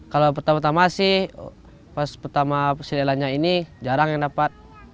kalau pertama tama sih pas pertama presidennya ini jarang yang dapat